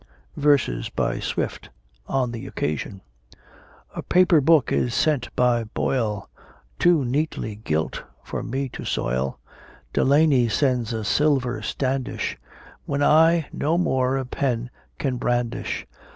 VERSES BY SWIFT, ON THE OCCASION. A paper Book is sent by Boyle, Too neatly gilt for me to soil: Delany sends a Silver Standish, When I no more a pen can brandish.